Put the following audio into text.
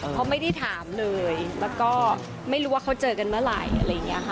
เขาไม่ได้ถามเลยแล้วก็ไม่รู้ว่าเขาเจอกันเมื่อไหร่อะไรอย่างนี้ค่ะ